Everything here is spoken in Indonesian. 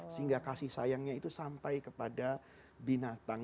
sehingga kasih sayangnya itu sampai kepada binatang